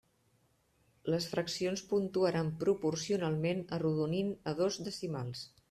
Les fraccions puntuaran proporcionalment arrodonint a dos decimals.